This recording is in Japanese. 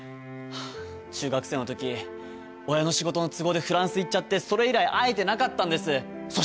中学生の時親の仕事の都合でフランス行っちゃってそれ以来会えてなかったんですそ